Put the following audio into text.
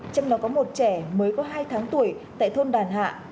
trong đó có một trẻ mới có hai tháng tuổi tại thôn đàn hạ